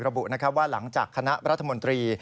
ระบุว่าหลังจากคณะรัฐมนตรี